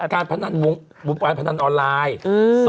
การพนันวงการพนันออนไลน์